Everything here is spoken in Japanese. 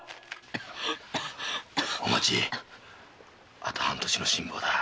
あと半年の辛抱だ。